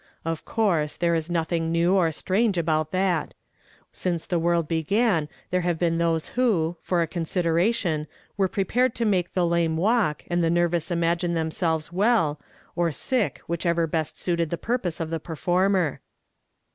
Of coui se there is nothing new or strange about that. Since the world began there have been those, who, for a consideration, were i)repared to make the lame walk, and the nervous imaorine tiiemselves well, or sick, whichever best suited the pur[)()se of the performer."